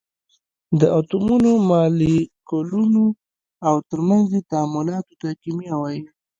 د اتومونو، مالیکولونو او تر منځ یې تعاملاتو ته کېمیا وایي.